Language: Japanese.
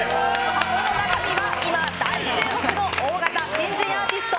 箱の中身は今大注目の大型新人アーティスト。